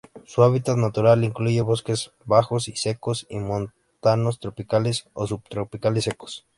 Su hábitat natural incluye bosques bajos y secos y montanos tropicales o subtropicales secos.